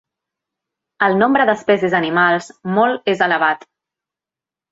El nombre d'espècies animals molt és elevat.